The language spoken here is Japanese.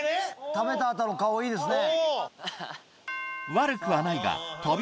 食べた後の顔いいですね！